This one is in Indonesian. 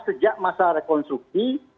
sejak masa rekonstruksi